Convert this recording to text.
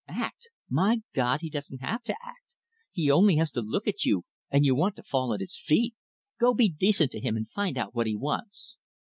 "Act? My God, he don't have to act! He only has to look at you, and you want to fall at his feet. Go be decent to him, and find out what he wants."